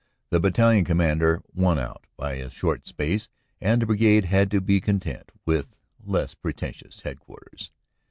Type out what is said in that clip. The battalion commander won out by a short space and the Brigade had to be content with less pre tentious headquarters.